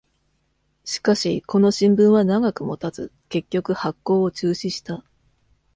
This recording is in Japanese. しかし、この新聞は長くもたず、結局発行を中止した。